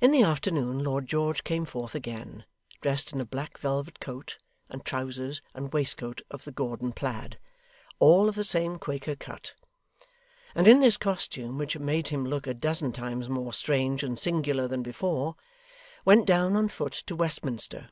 In the afternoon Lord George came forth again, dressed in a black velvet coat, and trousers and waistcoat of the Gordon plaid, all of the same Quaker cut; and in this costume, which made him look a dozen times more strange and singular than before, went down on foot to Westminster.